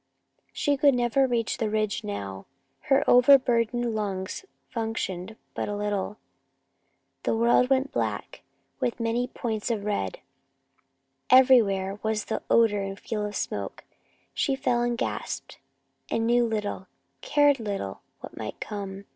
She could never reach the ridge now. Her overburdened lungs functioned but little. The world went black, with many points of red. Everywhere was the odor and feel of smoke. She fell and gasped, and knew little, cared little what might come.